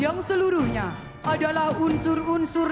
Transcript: menyusul kemudian batalion kopassus